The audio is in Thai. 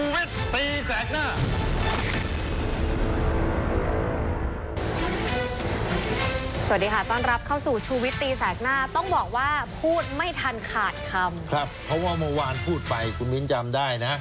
สวัสดีค่ะต้องรับเข้าสู่ต้องบอกว่าพูดไม่ทันขาด